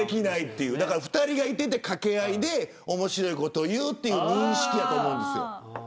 ２人がいて掛け合いで面白いことを言うという認識だと思います。